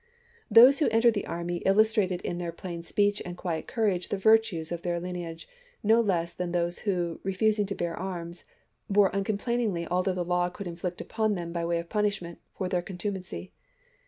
Those who entered the army illustrated in their plain speech and quiet courage the virtues of their lineage no less than those who, refusing to bear arms, bore uncomplainingly all that the law could inflict upon them by way of punishment for their contu macy.